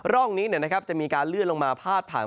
ร่องนี้จะมีการเลื่อนลงมาพาดผ่าน